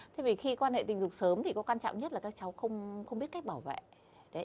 thế thì khi quan hệ tình dục sớm thì có quan trọng nhất là các cháu không biết cách bảo vệ